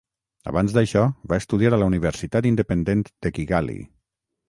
Abans d'això, va estudiar a la Universitat Independent de Kigali.